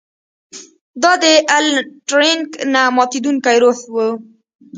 دا د الن ټورینګ نه ماتیدونکی روح و